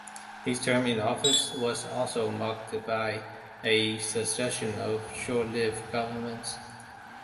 His term in office was also marked by a succession of short-lived governments.